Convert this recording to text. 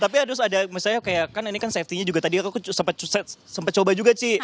tapi harus ada misalnya kayak kan ini kan safety nya juga tadi aku sempat coba juga sih